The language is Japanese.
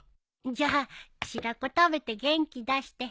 じゃあ白子食べて元気出して。